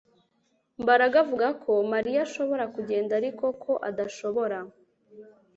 Mbaraga avuga ko Mariya ashobora kugenda ariko ko adashobora